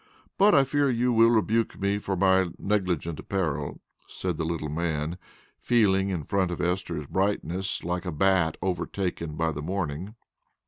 But I fear you will rebuke me for my negligent apparel," said the little man, feeling in front of Esther's brightness like a bat overtaken by the morning.